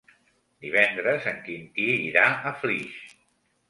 Divendres en Quintí irà a Flix.